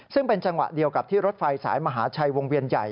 ซึ่งเป็นจังหวะเดียวกับที่รถไฟสายมหาชัยวงเวียนใหญ่